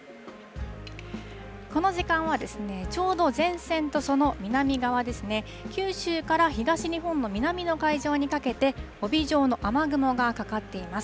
この時間はちょうど前線とその南側ですね、九州から東日本の南の海上にかけて、帯状の雨雲がかかっています。